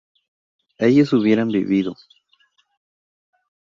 ellos hubieran vivido